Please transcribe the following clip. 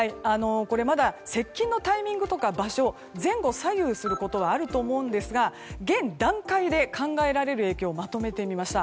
まだ接近のタイミングとか場所前後左右することはあると思うんですが現段階で考えられる影響まとめてみました。